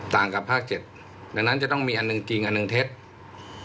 ต่างกับภาค๗ดังนั้นจะต้องมีอันหนึ่งจริงอันหนึ่งเท็จ